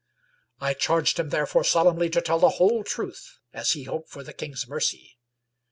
I charged him therefore solemnly to tell the whole truth as he hoped for the king's mercy.